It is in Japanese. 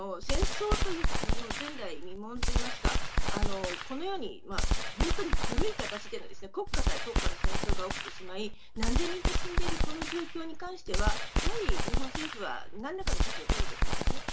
やっぱり戦争という前代未聞といいますか、このように古い形で国家対国家の戦争が起きてしまい、何千人と死んでいるこの状況に関しては、やはり日本政府は何らかの措置を取る時です。